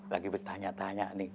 lagi bertanya tanya nih